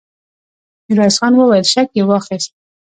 ميرويس خان وويل: شک يې واخيست!